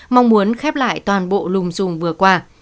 mong muốn khép lại toàn bộ lùm rùm vừa qua